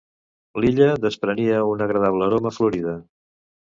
L'illa desprenia una agradable aroma "florida".